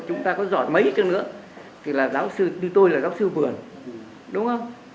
chúng ta có giỏi mấy cân nữa thì là giáo sư như tôi là giáo sư vườn đúng không